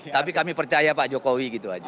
tapi kami percaya pak jokowi gitu aja